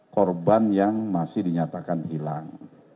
korban yang masih dinyatakan hilang